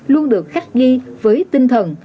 luôn được khắc nghi với tinh thần